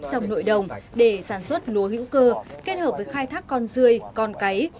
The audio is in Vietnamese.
trong nội đồng để sản xuất lúa hữu cơ kết hợp với khai thác con dươi con cái